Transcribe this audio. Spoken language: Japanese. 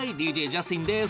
ＤＪジャスティンです。